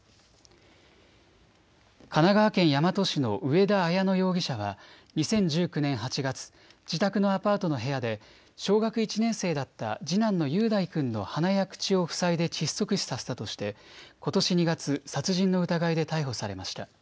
神奈川県大和市の上田綾乃容疑者は２０１９年８月、自宅のアパートの部屋で小学１年生だった次男の雄大君の鼻や口を塞いで窒息死させたとしてことし２月、殺人の疑いで逮捕されました。